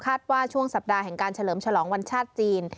ว่าช่วงสัปดาห์แห่งการเฉลิมฉลองวันชาติจีน